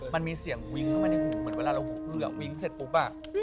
มันมีเสียงวิ่งเข้ามาในหูเหมือนเวลาเราเหลือวิ้งเสร็จปุ๊บ